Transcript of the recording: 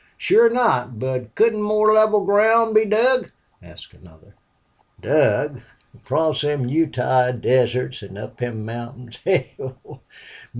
"Sure not. But couldn't more level ground be dug?" asked another. "Dug? Across them Utah deserts an' up them mountains? Hell!